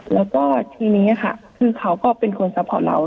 แล้วก็ทีนี้ค่ะคือเขาก็เป็นคนซัพพอร์ตเรา